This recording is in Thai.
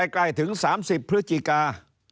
ใกล้ถึง๓๐พฤศจิกา